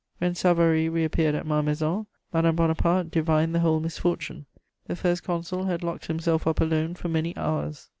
When Savary reappeared at Malmaison, Madame Bonaparte divined the whole misfortune. The First Consul had locked himself up alone for many hours.